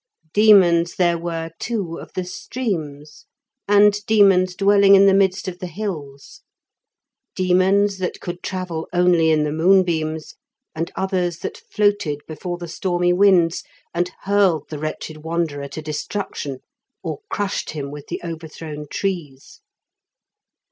Demons there were, too, of the streams, and demons dwelling in the midst of the hills; demons that could travel only in the moonbeams, and others that floated before the stormy winds and hurled the wretched wanderer to destruction, or crushed him with the overthrown trees.